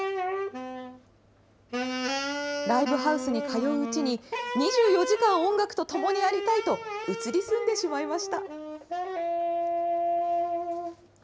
ライブハウスに通ううちに、２４時間音楽と共にありたいと移り住んでしまいました。